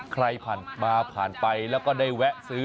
ใครผ่านมาผ่านไปแล้วก็ได้แวะซื้อ